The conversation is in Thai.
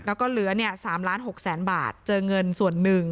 แล้วก็เหลือเนี่ยสามล้านหกแสนบาทเจอเงินส่วนหนึ่ง